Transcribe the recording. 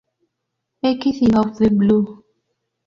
X" y "Out of the Blue".